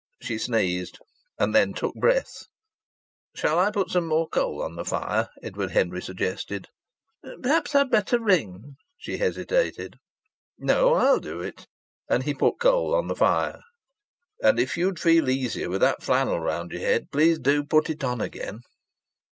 She sneezed; then took breath. "Shall I put some more coal on the fire?" Edward Henry suggested. "Perhaps I'd better ring," she hesitated. "No, I'll do it." He put coal on the fire. "And if you'd feel easier with that flannel round your head, please do put it on again."